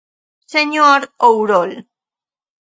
Señor Ourol.